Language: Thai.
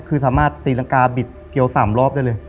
คือสามารถตีรังกาบิดเกียว๓รอบได้เลย